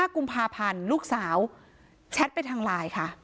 กุมภาพันธ์ลูกสาวแชทไปทางไลน์ค่ะ